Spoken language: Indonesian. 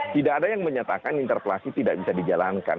tidak ada yang menyatakan interpelasi tidak bisa dijalankan